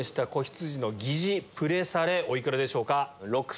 お幾らでしょうか？